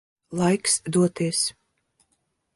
Laiks doties.